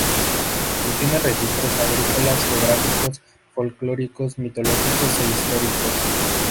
Contienen registros agrícolas, geográficos, folklóricos, mitológicos e históricos.